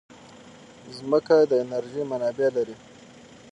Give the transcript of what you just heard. مځکه د انرژۍ منابع لري.